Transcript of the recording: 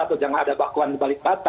atau jangan ada bakwan di balik bata